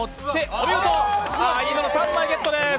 お見事、３枚ゲットです。